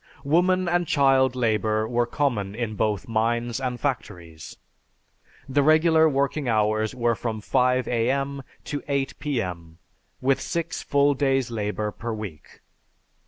Woman and child labor were common in both mines and factories. The regular working hours were from 5 A.M. to 8 P.M., with six full days' labor per week.